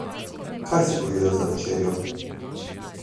Kaj si pojedel za večerjo?